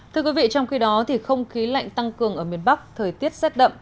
thưa quý vị trong khi đó không khí lạnh tăng cường ở miền bắc thời tiết rét đậm